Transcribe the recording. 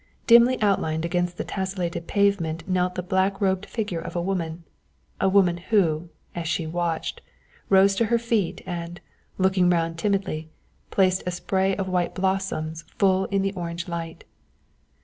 Dimly outlined against the tesselated pavement knelt the black robed figure of a woman, a woman who, as she watched, rose to her feet and looking round timidly placed a spray of white blossoms full in the orange light.